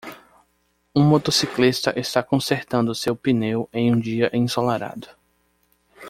Um motociclista está consertando seu pneu em um dia ensolarado